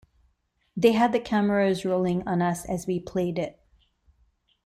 They had the cameras rolling on us as we played it.